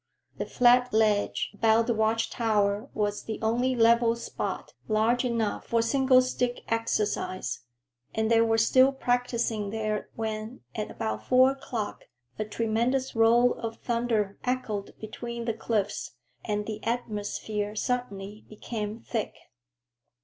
The flat ledge about the watch tower was the only level spot large enough for single stick exercise, and they were still practicing there when, at about four o'clock, a tremendous roll of thunder echoed between the cliffs and the atmosphere suddenly became thick.